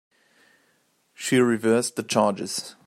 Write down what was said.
She reversed the charges.